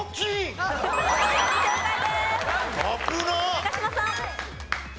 長嶋さん。